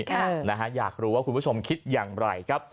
ค่ะนะฮะอยากรู้ว่าคุณผู้ชมคิดอย่างไรครับ